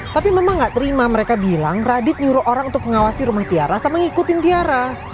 tapi memang gak terima mereka bilang radit nyuruh orang untuk mengawasi rumah tiara sama ngikutin tiara